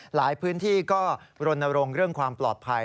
หลายพื้นที่ก็รณรงค์เรื่องความปลอดภัย